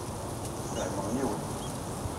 Fehmeɣ yiwen.